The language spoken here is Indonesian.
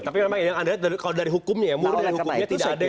tapi yang anda lihat kalau dari hukumnya ya